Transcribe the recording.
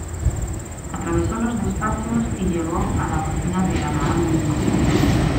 Atravesó los despachos y llegó a la oficina de Abraham Lincoln.